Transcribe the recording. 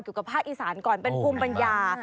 กับภาคอีสานก่อนเป็นภูมิปัญญา